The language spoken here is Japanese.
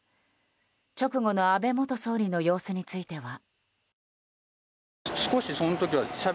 直後の安倍元総理の様子については。